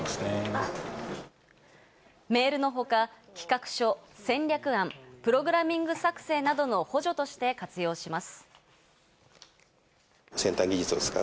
メールの他、企画書、戦略案、プログラミング作成などの補助として活用します。